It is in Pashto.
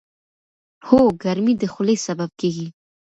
هو، ګرمي د خولې سبب کېږي.